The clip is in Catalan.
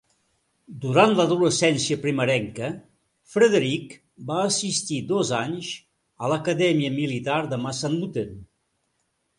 Durant l'adolescència primerenca, Frederick va assistir dos anys a l'Acadèmia Militar de Massanutten.